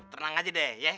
tenang aja deh ya